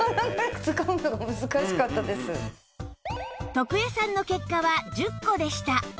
徳江さんの結果は１０個でした